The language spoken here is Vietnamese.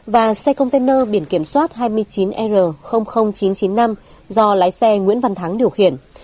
và xe container biển kiểm soát hai mươi chín r chín trăm chín mươi năm do lái xe nguyễn văn thắng điều khiển